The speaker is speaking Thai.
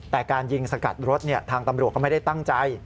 แต่การยิงสกัดรถทางตำรวจก็ไม่ได้ตั้งใจ